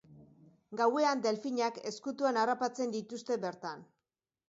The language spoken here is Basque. Gauean delfinak ezkutuan harrapatzen dituzte bertan.